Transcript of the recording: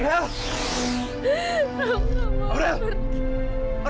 fre kamu gak boleh pergi